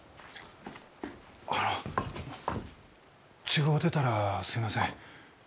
あの違うてたらすいません。